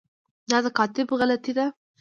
دا د کاتب غلطي ده.